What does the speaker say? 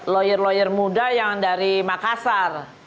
lawyer lawyer muda yang dari makassar